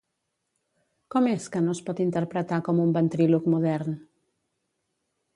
Com és que no es pot interpretar com un ventríloc modern?